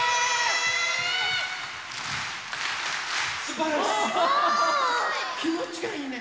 すばらしい！